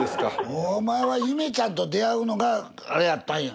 お前は夢ちゃんと出会うのがあれやったんや。